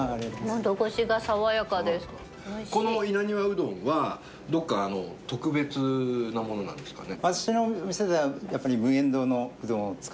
この稲庭うどんはどこか特別なものなんですかね？